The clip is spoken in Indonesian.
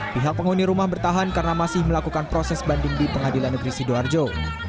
pihak penghuni rumah bertahan karena masih melakukan proses banding di pengadilan negeri sidoarjo